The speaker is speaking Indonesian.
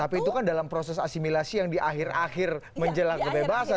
tapi itu kan dalam proses asimilasi yang di akhir akhir menjelang kebebasan